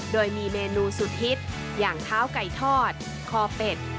โดยมีเมนูสุดฮิตอย่างเท้าไก่ทอดคอเป็ด